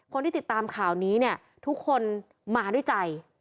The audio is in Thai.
คนที่ติดตามข่าวนี้เนี่ยทุกคนมาด้วยใจ